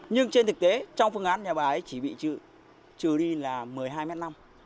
nhưng trên thực tế trong phương án nhà bài ấy chỉ bị trừ đi là một mươi hai m năm